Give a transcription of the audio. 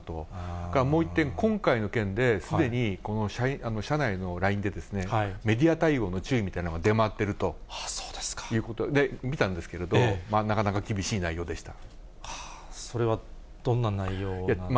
それからもう１点、今回の件ですでにこの社内のＬＩＮＥで、メディア対応に注意みたいのが出回っているということで、見たんですけれども、なかなか厳しい内容でした。